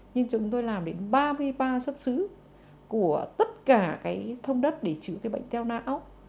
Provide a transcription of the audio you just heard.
nhưng chúng tôi làm đến ba mươi ba xuất xứ của tất cả thông đất để chữa bệnh teo não